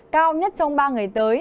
cao nhất trong ba ngày tới